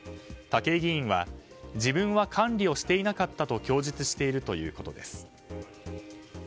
武井議員は自分は管理をしていなかったと供述しているということです。